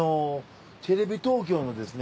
テレビ東京のですね